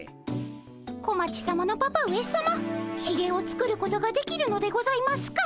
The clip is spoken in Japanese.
小町さまのパパ上さまひげを作ることができるのでございますか？